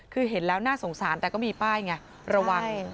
คือเห็นแล้วน่าสงสารแต่ก็มีป้ายไงระวัง